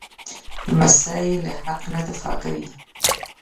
لمسی له حق نه دفاع کوي.